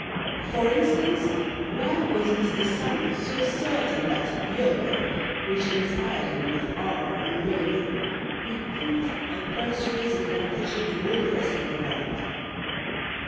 For instance, why was Mr. Sumner so certain that Jurgen, which inspired him with horror and loathing, would prove a persuasive temptation to all the rest of the world?